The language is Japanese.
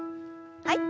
はい。